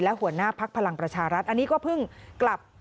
และหัวหน้าพักพลังประชารัฐอันนี้ก็เพิ่งกลับ